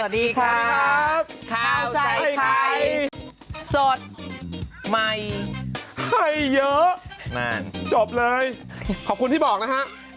สวัสดีครับข้าวใส่ไข่สดใหม่ให้เยอะแม่นจบเลยขอบคุณที่บอกนะฮะ